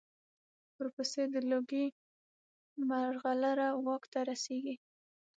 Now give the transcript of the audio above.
ورپسې د لوګي مرغلره واک ته رسېږي.